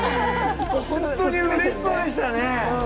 本当にうれしそうでしたね。